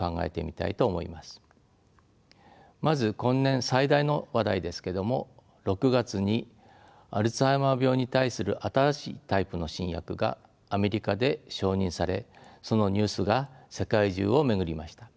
まず今年最大の話題ですけども６月にアルツハイマー病に対する新しいタイプの新薬がアメリカで承認されそのニュースが世界中を巡りました。